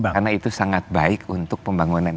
karena itu sangat baik untuk pembangunan